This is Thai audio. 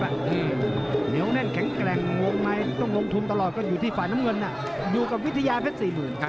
เดี๋ยวเล่นแข็งแกร่งวงไหมต้องลงทุนตลอดก็อยู่ที่ฝ่าน้ำเงินอยู่กับวิทยาแพทย์สี่หมื่น